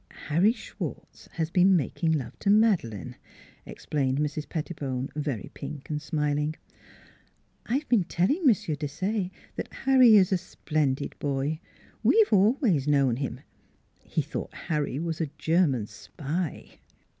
" u Harry Schwartz has been making love to Madeleine," explained Mrs. Pettibone, very pink and smiling. " I've been telling Mr. Desaye that Harry is a splendid boy; we've always known him. ... He thought Harry was a German spy!"